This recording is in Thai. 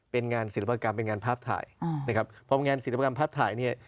เป็นงานศิลปกรรมเป็นงานภาพถ่ายนะครับพองานศิลปกรรมภาพถ่ายเนี่ย